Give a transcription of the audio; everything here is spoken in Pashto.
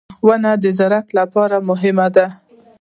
• ونه د زراعت لپاره مهمه ده.